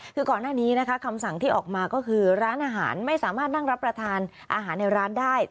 คือก่อนหน้านี้นะคะคำสั่งที่ออกมาก็คือร้านอาหารไม่สามารถนั่งรับประทานอาหารในร้านได้